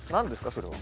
それは。